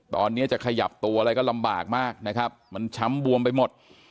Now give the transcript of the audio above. ตอนนี้จะขยับตัวอะไรก็ลำบากมากนะครับมันช้ำบวมไปหมด